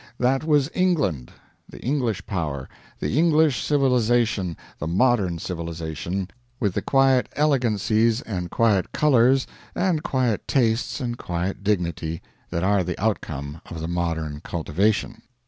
That was England, the English power, the English civilization, the modern civilization with the quiet elegancies and quiet colors and quiet tastes and quiet dignity that are the outcome of the modern cultivation.